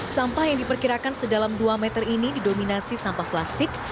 sampah yang diperkirakan sedalam dua meter ini didominasi sampah plastik